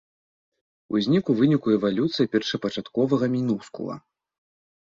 Узнік у выніку эвалюцыі першапачатковага мінускула.